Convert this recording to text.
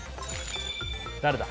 誰だ？